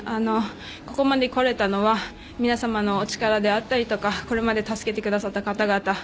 ここまでこれたのは皆さまのお力であったりとかこれまで助けてくださった方々